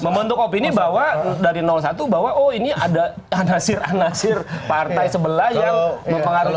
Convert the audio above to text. membentuk opini bahwa dari satu bahwa oh ini ada anasir anasir partai sebelah yang mempengaruhi